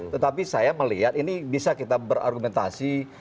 tetapi saya melihat ini bisa kita berargumentasi